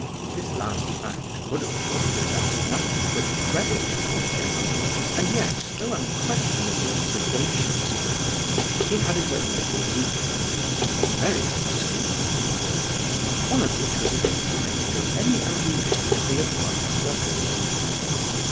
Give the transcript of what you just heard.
This last fact could, of course, reflect nothing but credit upon the general; and yet, though unquestionably a sagacious man, he had his own little weaknesses—very excusable ones,—one of which was a dislike to any allusion to the above circumstance.